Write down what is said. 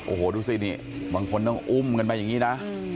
โอ้โหดูสินี่บางคนต้องอุ้มกันมาอย่างนี้นะ